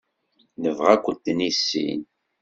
Nebɣa ad kent-nissin.